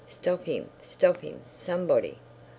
Stop him, stop him, somebody!